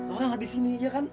orang gak disini iya kan